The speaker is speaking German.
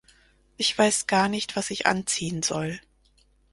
Ich weiß gar nicht, was ich anziehen soll.